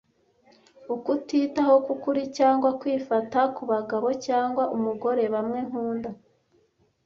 Ukutitaho kwukuri cyangwa kwifata kubagabo cyangwa umugore bamwe nkunda,